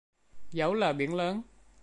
Dẫu là biển lớn